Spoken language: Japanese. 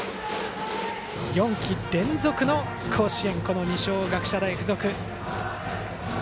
４季連続の甲子園の二松学舎大付属。